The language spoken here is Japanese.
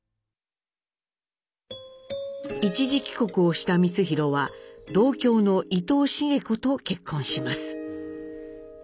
一時帰国をした光宏は同郷の伊藤繁子と結婚します。